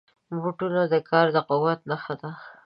بوټونه د کار د قوت نښه ده.